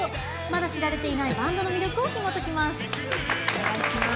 まだ知られていないバンドの魅力をひもときます。